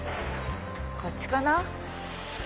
こっちかな。